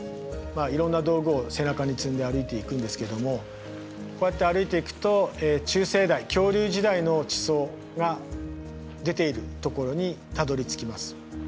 いろんな道具を背中に積んで歩いていくんですけどもこうやって歩いていくと中生代恐竜時代の地層が出ているところにたどりつきます。